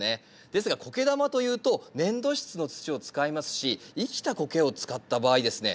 ですがコケ玉というと粘土質の土を使いますし生きたコケを使った場合ですね